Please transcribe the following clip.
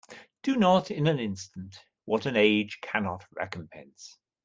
Do not in an instant what an age cannot recompense.